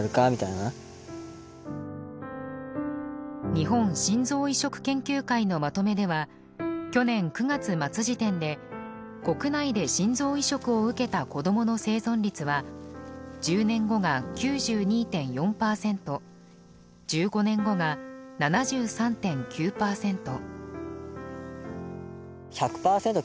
日本心臓移植研究会のまとめでは去年９月末時点で国内で心臓移植を受けた子どもの生存率は１０年後が９２．４パーセント１５年後が７３．９パーセント。